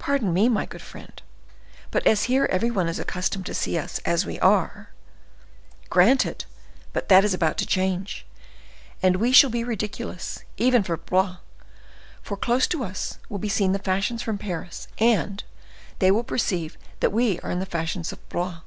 "Pardon me, my good friend; but as here every one is accustomed to see us as we are—" "Granted; but that is about to change, and we shall be ridiculous, even for Blois; for close to us will be seen the fashions from Paris, and they will perceive that we are in the fashion of Blois!